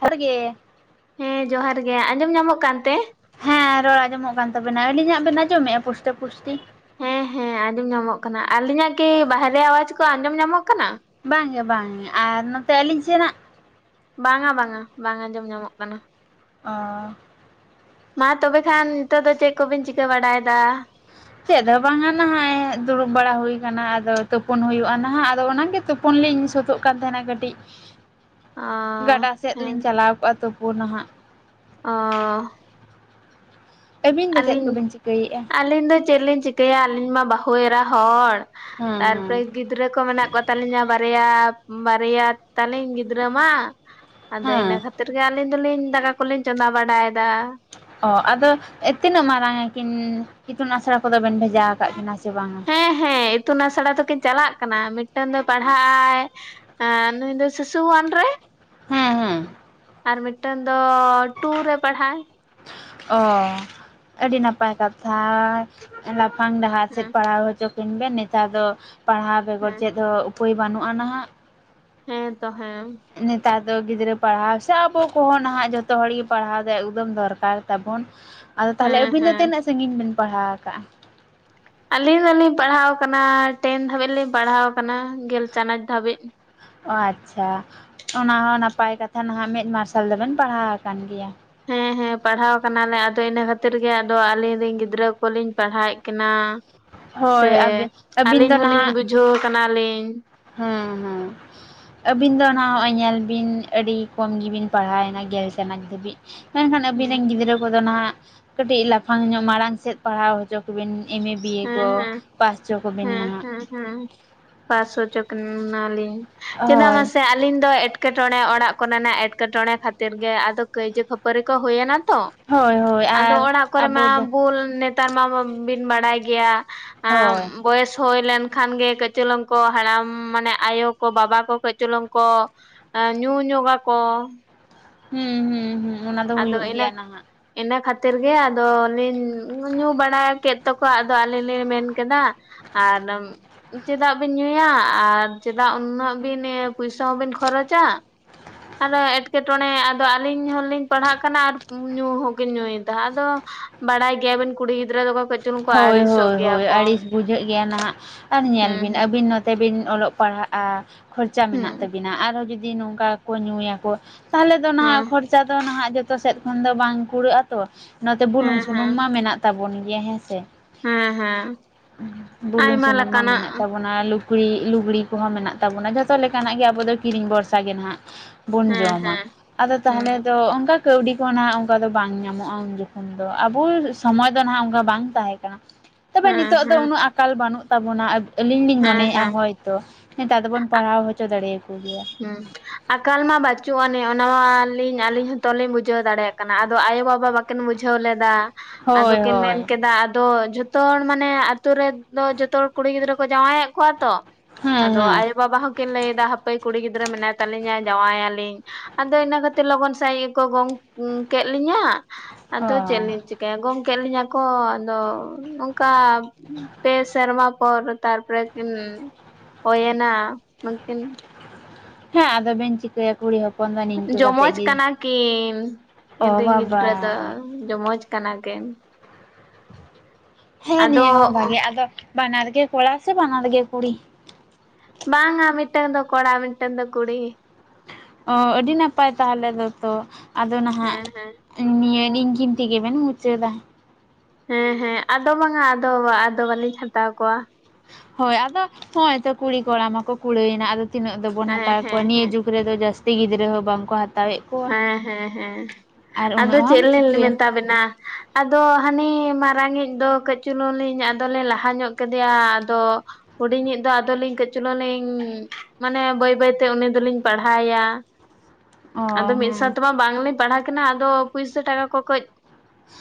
ᱦᱟᱨᱜᱮ ᱦᱮᱸ ᱡᱚᱦᱟᱨ ᱜᱮ ᱟᱸᱡᱚᱢ ᱧᱟᱢᱚᱜ ᱠᱟᱱᱛᱮ? ᱦᱮᱸ ᱨᱚᱲ ᱟᱸᱡᱚᱢᱚᱜ ᱠᱟᱱ ᱛᱟᱵᱮᱱᱟ, ᱟᱹᱞᱤᱧᱟᱜ ᱵᱮᱱ ᱟᱸᱡᱚᱢᱮᱫᱼᱟ ᱯᱩᱥᱴᱟᱹ ᱯᱩᱥᱴᱤ? ᱦᱮᱸ ᱦᱮᱸ ᱟᱸᱡᱚᱢ ᱧᱟᱢᱚᱜ ᱠᱟᱱᱟ, ᱟᱹᱞᱤᱧᱟᱜ ᱠᱤ ᱵᱟᱨᱨᱮ ᱟᱣᱟᱡ ᱠᱚ ᱟᱸᱡᱚᱢ ᱧᱟᱢᱚᱜ ᱠᱟᱱᱟ? ᱵᱟᱝᱜᱮ ᱵᱟᱝᱜᱮ ᱟᱨ ᱱᱚᱛᱮ ᱟᱹᱞᱤᱧ ᱥᱮᱱᱟᱜ᱾ ᱵᱟᱝᱟ ᱵᱟᱝᱟ ᱵᱟᱝ ᱟᱸᱡᱚᱢ ᱧᱟᱢᱚᱜ ᱠᱟᱱᱟ ᱾ ᱚᱻ ᱢᱟ ᱛᱚᱵᱮ ᱠᱷᱟᱱ ᱱᱤᱛᱚᱜ ᱫᱚ ᱪᱮᱫ ᱠᱚᱵᱤᱱ ᱪᱤᱠᱟᱹ ᱵᱟᱲᱟᱭᱮᱫᱟ? ᱪᱮᱫ ᱦᱚᱸ ᱵᱟᱝᱟ ᱱᱟᱦᱟᱜ ᱫᱩᱲᱩᱵ ᱵᱟᱲᱟ ᱦᱩᱭᱩ ᱟᱠᱟᱱᱟ ᱟᱫᱚ ᱛᱩᱯᱩᱱ ᱦᱩᱭᱩᱜᱼᱟ ᱱᱟᱦᱟᱜ ᱟᱫᱚ ᱚᱱᱟᱜᱮ ᱛᱩ ᱦᱚᱯᱚᱱ ᱞᱤᱧ ᱥᱟᱹᱛᱜ ᱠᱟᱱ ᱛᱟᱦᱮᱱᱟ ᱠᱟᱹᱴᱤᱡ᱾ ᱚ ᱜᱟᱰᱟ ᱥᱮᱫ ᱦᱮᱸ ᱞᱤᱧ ᱪᱟᱞᱟᱣ ᱠᱚᱜᱼᱟ ᱛᱩᱯᱩ ᱱᱟᱦᱟᱜ ᱾ ᱚᱻ ᱟᱹᱵᱤᱱ ᱫᱚ ᱪᱮᱫ ᱟᱹᱞᱤᱧ, ᱠᱚᱵᱤᱱ ᱪᱤᱠᱟᱹᱭᱮᱫᱼᱟ ᱟᱹᱞᱤᱧ ᱫᱚ ᱪᱮᱫ ᱞᱤᱧ ᱪᱤ ᱛᱮᱭᱟ ᱟᱹᱞᱤᱧ ᱢᱟ ᱵᱟᱹᱦᱩ ᱮᱨᱟ ᱦᱚᱲ ᱦᱮᱸ ᱛᱟᱨᱯᱚᱨᱮ ᱜᱤᱫ ᱜᱤᱫᱽᱨᱟᱹ ᱠᱚ ᱢᱮᱱᱟᱜ ᱠᱚᱛᱟᱞᱤᱧᱟ ᱵᱟᱨᱭᱟ ᱵᱟᱨᱭᱟ ᱛᱟᱞᱤᱧ ᱜᱤᱫᱽᱨᱟᱹ ᱢᱟ᱾ ᱟᱫᱚ ᱦᱮᱸ ᱤᱱᱟᱹ ᱠᱷᱟᱹᱛᱤᱨ ᱜᱮ ᱟᱹᱞᱤᱧ ᱫᱚᱞᱤᱧ ᱫᱟᱠᱟ ᱠᱚᱞᱤᱧ ᱪᱚᱸᱫᱟ ᱵᱟᱲᱟᱭᱮᱫᱟ ᱾ ᱚ ᱟᱫᱚ ᱛᱤᱱᱟᱹᱜ ᱢᱟᱨᱟᱝ ᱟᱹᱠᱤᱱ ᱤᱛᱩᱱ ᱟᱥᱲᱟ ᱠᱚᱫᱚ ᱵᱮᱱ ᱵᱷᱮᱡᱟ ᱟᱠᱟᱫ ᱠᱤᱱᱟ ᱥᱮ ᱵᱟᱝᱟ? ᱮᱸ ᱦᱮᱸ ᱤᱛᱩᱱ ᱟᱥᱲᱟ ᱫᱚᱠᱤᱱ ᱪᱟᱞᱟᱜ ᱠᱟᱱᱟ ᱢᱤᱫᱴᱟᱝ ᱫᱚᱭ ᱯᱟᱲᱦᱟᱜ ᱟᱭ ᱟ ᱱᱩᱭ ᱫᱚ ᱥᱤᱥᱩᱟᱱᱨᱮ ᱾ ᱦᱮᱸ ᱦᱮᱸ᱾ ᱟᱨ ᱢᱤᱫᱴᱟᱝ ᱫᱚ ᱴᱩ ᱨᱮ ᱯᱟᱲᱦᱟᱜ ᱟᱭ ᱾ ᱚ ᱟᱹᱰᱤ ᱱᱟᱯᱟᱭ ᱠᱟᱛᱷᱟ᱾ ᱞᱟᱯᱷᱟᱝ ᱰᱟᱦᱟᱨ ᱥᱮᱫ ᱦᱮᱸ ᱯᱟᱲᱦᱟᱣ ᱦᱚᱪᱚ ᱠᱤᱱ ᱵᱮ ᱱᱮᱛᱟᱨ ᱫᱚ ᱯᱟᱲᱦᱟᱣ ᱵᱮᱜᱚᱨ ᱦᱮᱸ ᱪᱮᱫ ᱦᱚᱸ ᱩᱯᱟᱹᱭ ᱵᱟᱹᱱᱩᱜᱼᱟ ᱱᱟᱦᱟᱜ ᱾ ᱦᱮᱸ ᱛᱚ ᱦᱮᱸ ᱾ ᱱᱮᱛᱟᱨ ᱫᱚ ᱜᱤᱫᱽᱨᱟᱹ ᱯᱟᱲᱦᱟᱣ ᱥᱮ ᱟᱵᱚ ᱠᱚᱦᱚᱸ ᱱᱟᱦᱟᱜ ᱡᱚᱛᱚ ᱦᱚᱲ ᱜᱮ ᱯᱟᱲᱦᱟᱣ ᱫᱚ ᱮᱠᱫᱚᱢ ᱫᱚᱨᱠᱟᱨ ᱛᱟᱵᱚᱱ ᱾ ᱟᱫᱚ ᱛᱟᱦᱞᱮ ᱦᱮᱸ ᱟᱹᱵᱤᱱ ᱫᱚ ᱦᱮᱸ ᱛᱤᱱᱟᱹᱜ ᱥᱟᱺᱜᱤᱧ ᱵᱤᱱ ᱯᱟᱲᱦᱟᱣ ᱠᱟᱜᱼᱟ? ᱟᱹᱞᱤᱧ ᱫᱚᱞᱤᱧ ᱯᱟᱲᱦᱟᱣ ᱟᱠᱟᱱᱟ ᱴᱮᱱ ᱫᱷᱟᱹᱵᱤᱡ ᱞᱤᱧ ᱯᱟᱲᱦᱟᱣ ᱟᱠᱟᱱᱟ, ᱜᱮᱞ ᱪᱟᱱᱟᱪ ᱫᱷᱟᱹᱵᱤᱡ ᱾ ᱟᱪᱪᱷᱟ ᱚᱱᱟ ᱦᱚᱸ ᱱᱟᱯᱟᱭ ᱠᱟᱛᱷᱟ ᱱᱟᱦᱟᱜ ᱢᱮᱫ ᱢᱟᱨᱥᱟᱞ ᱫᱚᱵᱮᱱ ᱯᱟᱲᱦᱟᱣ ᱟᱠᱟᱱ ᱜᱮᱭᱟ ᱾ ᱦᱮᱸ ᱦᱮᱸ ᱯᱟᱲᱦᱟᱣ ᱠᱟᱱᱟᱞᱮ ᱟᱫᱚ ᱤᱱᱟᱹ ᱠᱷᱟᱹᱛᱤᱨ ᱜᱮ ᱟᱫᱚ ᱟᱹᱞᱤᱧ ᱨᱮᱱ ᱜᱤᱫᱽᱨᱟᱹ ᱠᱚᱞᱤᱧ ᱯᱟᱲᱦᱟᱣᱮᱫ ᱠᱤᱱᱟ᱾ ᱥᱮ ᱦᱳᱭ ᱟᱵᱮ ᱟᱹᱵᱤᱱ ᱟᱹᱞᱤᱧ ᱫᱚ ᱦᱚᱸᱞᱤᱧ ᱱᱟᱦᱟᱜ ᱵᱩᱡᱷᱟᱹᱣ ᱠᱟᱱᱟᱞᱤᱧ᱾ ᱦᱮᱸ ᱦᱮᱸ᱾ ᱟᱹᱵᱤᱱ ᱫᱚ ᱚᱱᱟ ᱦᱚᱸᱜᱼᱚᱭ ᱧᱮᱞ ᱵᱤᱱ ᱟᱹᱰᱤ ᱠᱚᱢ ᱜᱮᱵᱤᱱ ᱯᱟᱲᱦᱟᱣᱮᱱᱟ, ᱜᱮᱞ ᱪᱟᱱᱟᱪ ᱫᱷᱟᱹᱵᱤᱡ ᱾ ᱢᱮᱱᱠᱷᱟᱱ ᱟᱵᱤᱱ ᱦᱮᱸ ᱨᱮᱱ ᱜᱤᱫᱽᱨᱟᱹ ᱠᱚᱫᱚ ᱱᱟᱦᱜ ᱠᱟᱹᱴᱤᱡ ᱞᱟᱯᱷᱟᱝ ᱧᱚᱜ ᱢᱟᱲᱟᱝ ᱥᱮᱫ ᱯᱟᱲᱦᱟᱣ ᱪᱚ ᱠᱚᱵᱮᱱ ᱮᱢ ᱮ ᱵᱤᱭᱮ ᱠᱚ ᱦᱮᱸ ᱦᱮᱸ ᱯᱟᱥ ᱦᱚᱪᱚ ᱠᱚᱵᱮᱱ ᱦᱮᱸ ᱱᱟᱸᱦᱚᱜ᱾ ᱦᱮᱸ ᱦᱮᱸ ᱯᱟᱸᱥᱚ ᱦᱚᱪᱚ ᱠᱤᱱᱟᱞᱤᱧ ᱪᱮᱫᱟᱜ ᱦᱳᱭ ᱢᱟᱥᱮ ᱟᱹᱞᱤᱧ ᱫᱚ ᱮᱴᱠᱮᱴᱚᱬᱮ ᱚᱲᱟᱜ ᱠᱚᱨᱮᱱᱟᱜ ᱮᱴᱠᱮᱴᱚᱬᱮ ᱠᱷᱟᱹᱛᱤᱨ ᱜᱮ ᱟᱫᱚ ᱠᱟᱹᱭᱡᱟᱹ ᱠᱷᱟᱹᱯᱟᱹᱨᱤ ᱠᱚ ᱦᱩᱭᱮᱱᱟ ᱛᱚ ᱦᱳᱭ ᱦᱳᱭ ᱟᱫᱚ ᱟᱨ ᱚᱲᱟᱜ ᱠᱚᱨᱮ ᱟᱵᱚ ᱢᱟ ᱫᱚ ᱵᱩᱞ ᱱᱮᱛᱟᱨ ᱢᱟ ᱵᱤᱱ ᱵᱟᱲᱟᱭ ᱜᱮᱭᱟ᱾ ᱟᱸ ᱦᱳᱭ᱾ ᱵᱚᱭᱮᱥ ᱦᱩᱭ ᱞᱮᱱᱠᱷᱟᱱ ᱜᱮ ᱠᱟᱹᱡᱪᱩᱞᱝ ᱠᱚ ᱦᱟᱲᱟᱢ ᱢᱟᱱᱮ ᱟᱭᱳ ᱠᱚ ᱵᱟᱵᱟ ᱠᱚ ᱠᱟᱹᱡᱪᱚᱞᱝ ᱠᱚ ᱧᱩ ᱧᱚᱜᱟ ᱠᱚ᱾ ᱦᱩᱸ ᱦᱩᱸ ᱦᱩᱸ᱾ ᱚᱱᱟ ᱫᱚ ᱟᱫᱚ ᱦᱩᱭᱩᱜ ᱤᱱᱟ. ᱜᱮᱭᱟ ᱱᱟᱦᱟᱜ ᱤᱱᱟᱹ ᱠᱷᱟᱹᱛᱤᱨ ᱜᱮ ᱟᱫᱚᱞᱤᱧ ᱧᱩ ᱵᱟᱲᱟ ᱠᱮᱫ ᱛᱟᱠᱚ ᱟᱫᱚ ᱟᱞᱮ ᱞᱮ ᱢᱮᱱ ᱠᱮᱫᱟ ᱟᱨ ᱪᱮᱫᱟᱜ ᱵᱤᱱ ᱧᱩᱭᱟ ᱟᱨ ᱪᱮᱫᱟᱜ ᱩᱱᱟᱹᱜ ᱵᱤᱱ ᱯᱚᱭᱥᱟ ᱦᱚᱸᱵᱤᱱ ᱠᱷᱚᱨᱚᱪᱟ᱾ ᱟᱫᱚ ᱮᱸᱴᱠᱮᱴᱚᱬᱮ ᱟᱫᱚ ᱟᱹᱞᱤᱧ ᱦᱚᱞᱤᱧ ᱯᱟᱲᱦᱟᱜ ᱠᱟᱱᱟ ᱟᱨ ᱧᱩ ᱦᱚᱸᱠᱤᱱ ᱧᱩᱭᱮᱫᱟ᱾ ᱟᱫᱚ ᱵᱟᱲᱟᱭ ᱜᱮᱭᱟᱵᱤᱱ ᱠᱩᱲᱤ ᱜᱤᱫᱽᱨ ᱫᱚᱠᱚ ᱠᱟᱹᱡ ᱪᱩᱞᱩᱝ ᱠᱚ ᱦᱳᱭ ᱟᱹᱲᱤᱥᱚᱜ ᱦᱳᱭ ᱜᱮᱭᱟ ᱦᱳᱭ ᱠᱚ ᱟᱹᱲᱤᱥ ᱵᱩᱡᱷᱟᱹᱜ ᱜᱮᱭᱟ ᱱᱟᱦᱟᱜ ᱟᱨ ᱧᱮᱞ ᱵᱤᱱ ᱦᱩᱸ ᱟᱹᱵᱤᱱ ᱱᱚᱛ ᱛᱮᱵᱤᱱ ᱚᱞᱚᱜ ᱯᱟᱲᱦᱟᱜᱼᱟ ᱠᱷᱚᱨᱪᱟ ᱢᱮᱱᱟᱜ ᱦᱩᱸ ᱛᱟᱵᱤᱱᱟ ᱟᱨᱦᱚᱸ ᱡᱩᱫᱤ ᱱᱚᱝᱠᱟ ᱠᱚ ᱧᱩᱭᱟᱠᱚ᱾ ᱛᱟᱦᱚᱞᱮ ᱫᱚ ᱱᱟᱦᱟᱜ ᱦᱩᱸ ᱠᱷᱚᱨᱪᱟ ᱫᱚ ᱱᱟᱦᱟᱜ ᱡᱚᱛᱚ ᱥᱮᱫ ᱠᱷᱚᱱ ᱫᱚ ᱵᱟᱝ ᱠᱩᱲᱟᱹᱜᱼᱟ᱾ ᱛᱚ ᱱᱚᱛᱮ ᱵᱩᱞᱩᱝ ᱦᱮᱸ ᱦᱮᱸ ᱥᱩᱱᱩᱢ ᱦᱮᱸ ᱢᱟ ᱢᱮᱱᱟᱜ ᱛᱟᱵᱚᱱ ᱜᱮ ᱦᱮᱸ ᱥᱮ᱾ ᱦᱮᱸ ᱦᱮᱸ ᱵᱩᱞᱩᱝ ᱟᱭᱢᱟ ᱥᱩᱱᱩᱢ ᱢᱟ ᱞᱮᱠᱟᱱᱟᱜ ᱢᱮᱱᱟᱜ ᱛᱟᱵᱚᱱᱟ᱾ ᱞᱩᱜᱽᱲᱤᱡ ᱞᱩᱜᱽᱲᱤ ᱠᱚᱦᱚᱸ ᱢᱮᱱᱟᱜ ᱛᱟᱵᱚᱱᱟ ᱡᱷᱚᱛᱚ ᱞᱮᱠᱟᱱᱟᱜ ᱜᱮ ᱟᱵᱚ ᱫᱚ ᱠᱤᱨᱤᱧ ᱵᱷᱚᱨᱥᱟ ᱜᱮ ᱱᱟᱦᱟᱜ ᱵᱚᱱ ᱦᱮᱸ ᱡᱚᱢᱟ ᱦᱮᱸ ᱟᱫᱚ ᱛᱟᱦᱚᱞᱮ ᱦᱩᱸ ᱫᱚ ᱚᱱᱠᱟ ᱠᱟᱹᱣᱰᱤ ᱠᱚᱦᱚᱸ ᱱᱟᱦᱟᱜ ᱚᱱᱠᱟ ᱫᱚ ᱵᱟᱝ ᱧᱟᱢᱚᱜᱼᱟ ᱩᱱ ᱡᱚᱠᱷᱚᱱ ᱫᱚ ᱟᱵᱚ ᱥᱚᱢᱚᱭ ᱫᱚ ᱱᱟᱦᱟᱜ ᱚᱱᱠᱟ ᱵᱟᱝ ᱛᱟᱦᱮᱸ ᱠᱟᱱᱟ ᱛᱚᱵᱮ ᱦᱮᱸ ᱱᱤᱛᱚᱜ ᱫᱚ ᱦᱮᱸ ᱩᱱᱟᱹᱜ ᱟᱠᱟᱞ ᱵᱟᱹᱱᱩᱜ ᱛᱟᱵᱚᱱᱟ ᱟᱞᱤᱧ ᱞᱤᱧ ᱦᱮᱸ ᱢᱚᱱᱮᱭᱮᱫᱼᱟ ᱦᱮᱸ ᱦᱳᱭ ᱛᱚ᱾ ᱛᱚ ᱱᱮᱛᱟᱨ ᱫᱚᱵᱚᱱ ᱯᱟᱲᱦᱟᱣ ᱦᱚᱪᱚ ᱫᱟᱲᱮᱭᱟᱠᱚ ᱜᱮᱭᱟ᱾ ᱦᱩᱸ᱾ ᱟᱠᱟᱞ ᱢᱟ ᱵᱟᱹᱪᱩᱜ ᱟᱹᱱᱤᱡ ᱚᱱᱟᱢᱟ ᱟᱹᱞᱤᱧ ᱦᱚᱸᱛᱚ ᱞᱤᱧ ᱵᱩᱡᱷᱟᱹᱣ ᱫᱟᱲᱮᱭᱟᱜ ᱠᱟᱱᱟ ᱟᱫᱚ ᱟᱭᱳᱼᱵᱟᱵᱟ ᱵᱟ ᱵᱟᱠᱤᱱ ᱵᱩᱡᱷᱟᱹᱣ ᱞᱮᱫᱟ ᱟᱫᱚ ᱦᱳᱭ ᱠᱤᱱ ᱦᱳᱭ ᱢᱮᱱ ᱠᱮᱫᱟ ᱟᱫᱚ ᱡᱷᱚᱛ ᱡᱚᱛᱚ ᱦᱚᱲ ᱢᱟᱱᱮ ᱟᱛᱳ ᱨᱮᱫᱚ ᱡᱚᱛᱚ ᱦᱚᱲ ᱠᱩᱲᱤ ᱜᱤᱫᱽᱨᱟᱹ ᱠᱚ ᱡᱟᱶᱟᱭᱮᱫ ᱠᱚᱣᱟ ᱛᱚ᱾ ᱦᱮᱸ ᱟᱫᱚ ᱦᱮᱸ ᱟᱭᱳᱼᱵᱟᱵᱟ ᱦᱚᱸᱠᱤᱱ ᱞᱟᱹᱭᱫᱟ ᱦᱟᱯᱮ ᱠᱩᱲᱤ ᱜᱤᱫᱽᱨᱟᱹ ᱢᱮᱱᱟᱭ ᱛᱟᱞᱤᱧᱟ ᱡᱟᱶᱟᱭᱟᱞᱤᱧ᱾ ᱟᱫᱚ ᱤᱱᱟᱹ ᱠᱷᱟᱛᱤᱨ ᱞᱚᱜᱚᱱ ᱥᱟᱺᱦᱤᱡ ᱜᱮᱠᱚ ᱜᱚᱝ ᱠᱮᱫ ᱞᱤᱧᱟᱹ ᱚ ᱟᱫᱚ ᱪᱮᱫ ᱞᱤᱧ ᱪᱤᱠᱟᱭ? ᱜᱚᱝ ᱠᱮᱫ ᱞᱤᱧᱟᱹ ᱠᱚ ᱟᱫᱚ ᱚᱱᱠᱟ ᱯᱮ ᱥᱮᱨᱢᱟ ᱯᱚᱨ ᱛᱟᱨᱯᱚᱨᱮ ᱠᱤᱱ ᱦᱳᱭᱮᱱᱟ ᱦᱮᱸ ᱟᱫᱚ ᱵᱮᱱ ᱪᱤᱠᱟᱹᱭᱟ᱾ ᱠᱩᱲᱤ ᱦᱚᱯᱚᱱ ᱫᱚ ᱱᱤᱝᱠᱟᱹ ᱠᱟᱛᱮᱫ ᱡᱚᱢᱚᱡ ᱜᱮ ᱠᱟᱱᱟ ᱠᱤᱱ ᱚ ᱤᱧ ᱨᱮᱱ ᱜᱤᱫᱽᱨᱟᱹ ᱫᱚ ᱵᱟᱵᱟ ᱡᱚᱢᱚᱡ ᱠᱟᱱᱟ ᱠᱤᱱ᱾ ᱦᱮᱸ ᱟᱫᱚ ᱱᱤᱭᱟᱹ ᱦᱚᱸ ᱵᱷᱟᱜᱤ ᱟᱫᱚ ᱵᱟᱱᱟᱨᱜᱮ ᱠᱚᱲᱟ ᱥᱮ ᱵᱟᱱᱟᱨᱜᱮ ᱠᱩᱲᱤ? ᱵᱟᱝᱟ ᱢᱤᱫᱴᱟᱝ ᱫᱚ ᱠᱚᱲᱟ ᱢᱤᱫᱴᱟᱝ ᱫᱚ ᱠᱩᱲᱤ᱾ ᱚ ᱟᱹᱰᱤ ᱱᱟᱯᱟᱭ ᱛᱟᱦᱚᱞᱮ ᱫᱚᱛᱚ ᱟᱫᱚ ᱱᱟᱦᱟᱜ ᱦᱮᱸ ᱦᱮᱸ ᱱᱤᱭᱟᱹ ᱱᱤᱝᱠᱤᱱ ᱛᱮᱜᱮᱵᱮᱱ ᱢᱩᱪᱟᱹᱫ ᱫᱟ᱾ ᱦᱮᱸ ᱦᱮᱸ ᱟᱫᱚ ᱵᱟᱝᱟ ᱟᱫᱚ ᱟᱫᱚ ᱵᱟᱹᱞᱤᱧ ᱦᱟᱛᱟᱣ ᱠᱚᱣᱟ᱾ ᱦᱳᱭ ᱟᱫᱚ ᱦᱚᱜᱼᱚᱭ ᱛᱚ ᱠᱩᱲᱤ ᱠᱚᱲᱟ ᱢᱟᱠᱚ ᱠᱩᱲᱟᱹᱭᱮᱱᱟ ᱟᱫᱚ ᱛᱤᱱᱟᱹᱜ ᱫᱚᱵᱚᱱ ᱦᱮᱸ ᱦᱟᱛᱟᱣ ᱠᱚᱣᱟ ᱦᱮᱸ ᱦᱮᱸ ᱱᱤᱭᱟᱹᱡᱩᱜ ᱨᱮᱫᱚ ᱡᱟᱹᱥᱛᱤ ᱜᱤᱫᱽᱨᱟᱹ ᱦᱚᱸ ᱵᱟᱝᱠᱚ ᱦᱟᱛᱟᱣᱮᱫ ᱠᱚᱣᱟ ᱦᱮᱸ ᱦᱮᱸ ᱦᱮᱸ ᱟᱨ ᱟᱫᱚ ᱩᱱᱟᱹᱜ ᱦᱚᱢ ᱪᱮᱫ ᱞᱮᱧ ᱪᱤᱠᱟᱹᱭᱟ ᱢᱮᱛᱟ ᱵᱮᱱᱟ ᱟᱫᱚ ᱦᱟᱱᱤ ᱢᱟᱨᱟᱝᱤᱡ ᱫᱚ ᱠᱟᱹᱡ ᱪᱩᱞᱩᱝ ᱞᱤᱧ ᱟᱫᱚᱞᱤᱧ ᱞᱟᱦᱟ ᱧᱚᱜ ᱠᱮᱫᱮᱭᱟ ᱟᱫᱚ ᱦᱩᱰᱤᱧᱤᱡ ᱫᱚ ᱟᱫᱚᱞᱤᱧ ᱠᱟᱹᱪ ᱪᱩᱞᱩᱝ ᱞᱤᱧ ᱢᱟᱱᱮ ᱵᱟᱹᱭ ᱵᱟᱹᱭᱛᱮ ᱩᱱᱤ ᱫᱚᱞᱤᱧ ᱯᱟᱲᱦᱟᱣ ᱮᱭᱟ᱾ ᱚ ᱟᱫᱚ ᱢᱤᱫ ᱦᱮᱸ ᱥᱟᱶᱛᱮᱢᱟ ᱵᱟᱝᱞᱤᱧ ᱯᱟᱲᱦᱟᱣ ᱠᱤᱱᱟ ᱟᱫᱚ ᱯᱩᱭᱥᱟ ᱴᱟᱠᱟ ᱠᱚ ᱠᱟᱹᱡ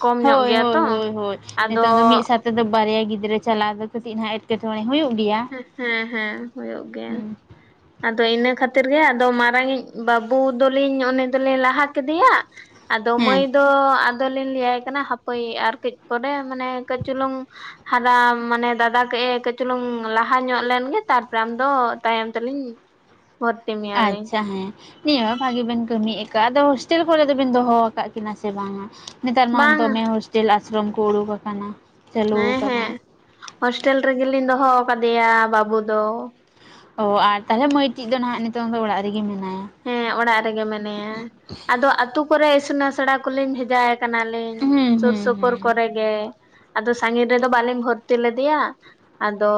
ᱠᱚᱢ ᱧᱚᱜ ᱦᱳᱭ ᱜᱮᱭᱟ ᱦᱳᱭ ᱛᱚ ᱦᱳᱭ ᱦᱳᱭ ᱟᱫᱚ ᱱᱤᱛᱚᱝ ᱫᱚ ᱢᱤᱫ ᱥᱟᱛᱮ ᱫᱚ ᱵᱟᱨᱭᱟ ᱜᱤᱫᱽᱨᱟᱹ ᱪᱟᱞᱟᱜ ᱫᱚ ᱠᱟᱹᱴᱤᱡ ᱱᱟᱦᱟᱜ ᱮᱴᱠᱮᱴᱚᱬᱮ ᱦᱩᱭᱩᱜ ᱜᱮᱭᱟ ᱾ ᱦᱮᱸ ᱦᱮᱸ ᱦᱮᱸ ᱦᱩᱭᱩᱜ ᱜᱮᱭᱟ ᱾ ᱟᱫᱚ ᱤᱱᱟᱹ ᱠᱷᱟᱹᱛᱤᱨ ᱜᱮ ᱟᱫᱚ ᱢᱟᱨᱟᱝ ᱤᱡ ᱵᱟᱹᱵᱩ ᱫᱚᱞᱤᱧ ᱩᱱᱤ ᱫᱚᱞᱤᱧ ᱞᱟᱦᱟ ᱠᱮᱫᱮᱭᱟ ᱟᱫᱚ ᱦᱮᱸ ᱢᱟᱹᱭ ᱫᱚ ᱟᱫᱚᱞᱤᱧ ᱞᱟᱹᱭᱟᱭ ᱠᱟᱱᱟ ᱦᱟᱯᱳᱭ ᱟᱨ ᱠᱟᱹᱪ ᱯᱚᱨᱮ ᱢᱟᱱᱮ ᱠᱟᱹᱪ ᱪᱩᱞᱩᱝ ᱦᱟᱨᱟ ᱢᱟᱱᱮ ᱫᱟᱫᱟ ᱠᱟᱭᱮ ᱠᱟᱹᱪ ᱪᱩᱞᱩᱝ ᱞᱟᱦᱟ ᱧᱚᱜ ᱞᱮᱱᱜᱮ ᱛᱟᱨᱯᱚᱨᱮ ᱟᱢ ᱫᱚ ᱛᱟᱭᱚᱢ ᱛᱮᱞᱤᱧ ᱵᱷᱚᱛᱨᱤ ᱢᱮ ᱟᱪᱪᱷᱟ ᱦᱮᱸ ᱾ ᱱᱤᱭᱟᱹ ᱦᱚ ᱵᱷᱟᱜᱤ ᱵᱮᱱ ᱠᱟᱹᱢᱤ ᱟᱠᱟᱼᱟ ᱟᱫᱚ ᱦᱳᱥᱴᱮᱞ ᱠᱚᱨᱮ ᱫᱚᱵᱤᱱ ᱫᱚᱦᱚ ᱟᱠᱟᱫ ᱠᱤᱱᱟ ᱥᱮ ᱵᱟᱝᱟ? ᱱᱮᱛᱟᱨ ᱢᱟ ᱵᱟᱝ ᱫᱚᱢᱮ ᱦᱳᱥᱴᱮᱞ ᱟᱥᱨᱚᱢ ᱠᱚ ᱩᱰᱩᱠ ᱟᱠᱟᱱᱟ ᱾ ᱦᱮᱸ ᱦᱮᱸ ᱦᱳᱥᱴᱮᱞ ᱨᱮᱜᱮᱞᱤᱧ ᱫᱚᱦᱚ ᱟᱠᱟᱫᱮᱭᱟ ᱵᱟᱹᱵᱩ ᱫᱚ ᱾ ᱚ ᱟᱨ ᱛᱟᱦᱚᱞᱮ ᱢᱟᱹᱭᱴᱤᱡ ᱫᱚ ᱱᱟᱦᱟᱜ ᱱᱤᱛᱚᱝ ᱫᱚ ᱚᱲᱟᱜ ᱨᱮᱜᱮ ᱢᱮᱱᱟᱭᱟ? ᱦᱮᱸ ᱚᱲᱟᱜ ᱨᱮᱜᱮ ᱢᱮᱱᱟᱭᱟ ᱟᱫᱚ ᱟᱛᱩ ᱠᱚᱨᱮ ᱤᱥᱩᱱ ᱟᱥᱲᱟ ᱠᱚᱞᱤᱧ ᱵᱷᱮᱡᱟ ᱮ ᱠᱟᱱᱟ ᱾ ᱞᱤᱧ ᱦᱩᱸ ᱥᱩᱨ ᱦᱩᱸ ᱥᱩᱯᱩᱨ ᱦᱩᱸ ᱠᱚᱨᱮ ᱜᱮ ᱟᱫᱚ ᱥᱟᱺᱜᱤᱧ ᱨᱮᱫᱚ ᱵᱟᱹᱞᱤᱧ ᱵᱷᱚᱨᱛᱤ ᱞᱮᱫᱮᱭᱟ ᱟᱫᱚ